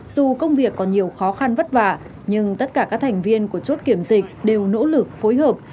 dù công việc có nhiều khó khăn vất vả nhưng tất cả các thành viên của chốt kiểm dịch đều nỗ lực phối hợp